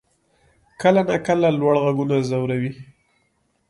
کله ناکله لوړ غږونه ځوروي.